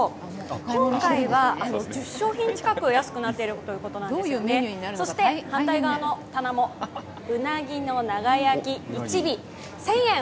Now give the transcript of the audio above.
今回は、１０商品近く安くなっているということなんですね、反対側の棚も、うなぎの長焼き、１尾１０００円。